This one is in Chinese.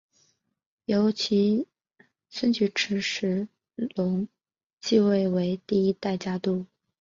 由其孙菊池时隆继位为第十一代家督。